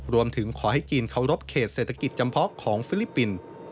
รวมถึงขอให้จีนเคารพเขตเศรษฐกิจจำเพาะของฟิลิปปินส์